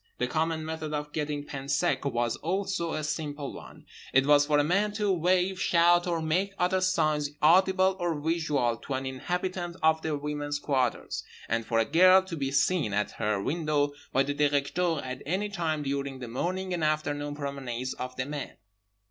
The common method of getting pain sec was also a simple one—it was for a man to wave, shout or make other signs audible or visual to an inhabitant of the women's quarters; and, for a girl, to be seen at her window by the Directeur at any time during the morning and afternoon promenades of the men.